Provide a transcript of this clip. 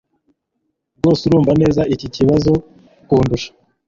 rwose arumva neza iki kibazo kundusha.